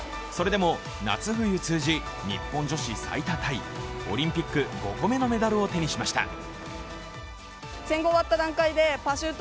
それでも夏冬通じ日本女子最多タイ、オリンピック５個目のメダルを手にしました。